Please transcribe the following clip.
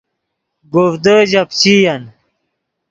گوڤدے ژے پیچئین